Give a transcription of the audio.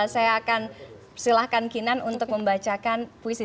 saya akan silahkan kinan untuk membacakan puisi